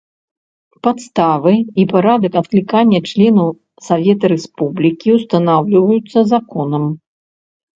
Падставы і парадак адклікання членаў Савета Рэспублікі ўстанаўліваюцца законам.